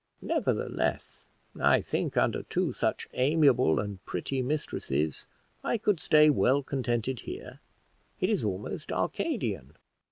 "Nevertheless, I think, under two such amiable and pretty mistresses, I could stay well contented here; it is almost Arcadian.